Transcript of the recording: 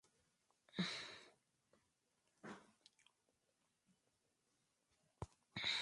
Al poco tiempo, Murray se uniría a Iron Maiden.